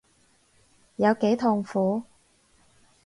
有幾痛苦